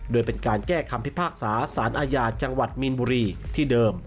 โดยเป็นการแก้คำพิพากษาสารอาญาจังหวัดมีนบุรีที่เดิม